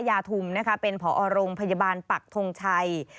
ยาทุมนะคะเป็นผอโรงพยาบาลปักทงชัย